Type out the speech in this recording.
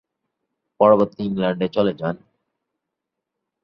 পরবর্তীতে ইংল্যান্ডে চলে যান।